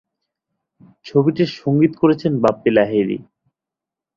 ছবিটির সংগীত করেছেন বাপ্পি লাহিড়ী।